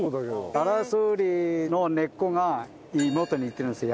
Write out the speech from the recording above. カラスウリの根っこが芋と似てるんですよ